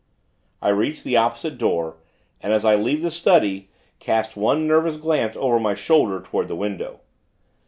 I reach the opposite door, and, as I leave the study, cast one nervous glance over my shoulder, toward the window.